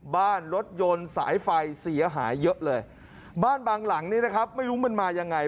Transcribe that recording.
บ้านรถยนต์สายไฟเสียหายเยอะเลยบ้านบางหลังนี้นะครับไม่รู้มันมายังไง